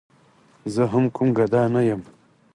زه هم کوم ګدا نه یم.